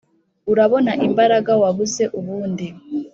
Urabona imbaraga wabuze ubundi?